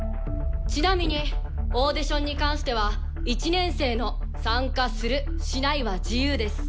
ちなみにオーディションに関しては１年生の参加するしないは自由です。